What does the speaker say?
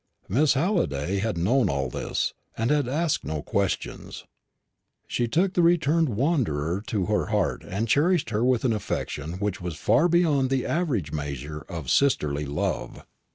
Miss Halliday had known all this, and had asked no questions. She took the returned wanderer to her heart, and cherished her with an affection which was far beyond the average measure of sisterly love.